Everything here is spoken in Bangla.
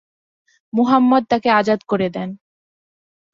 মুহাম্মদ তাকে আজাদ করে দেন।